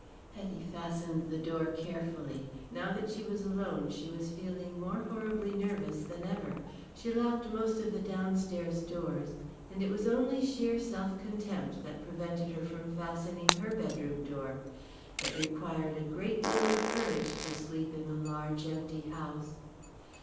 Hetty fastened the door carefully. Now that she was alone she was feeling more horribly nervous than ever. She locked most of the downstairs doors, and it was only sheer self contempt that prevented her from fastening her bedroom door. It required a deal of courage to sleep in a large, empty house.